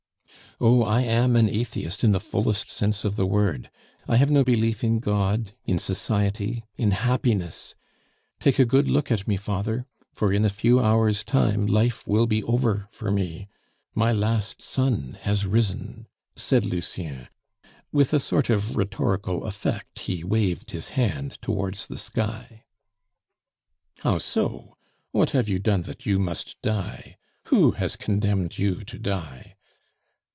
"Oh! I am an atheist in the fullest sense of the word. I have no belief in God, in society, in happiness. Take a good look at me, father; for in a few hours' time life will be over for me. My last sun has risen," said Lucien; with a sort of rhetorical effect he waved his hand towards the sky. "How so; what have you done that you must die? Who has condemned you to die?"